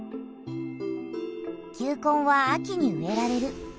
球根は秋に植えられる。